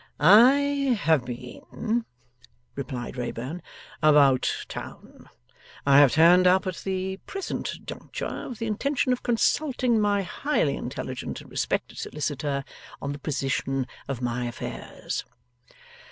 'I have been,' replied Wrayburn, ' about town. I have turned up at the present juncture, with the intention of consulting my highly intelligent and respected solicitor on the position of my affairs.